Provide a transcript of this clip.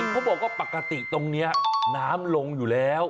เขาบอกว่าปกติตรงนี้น้ำลงอยู่แล้ว